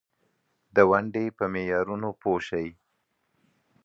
د ژوند د هرې شېبې قدر وکړئ.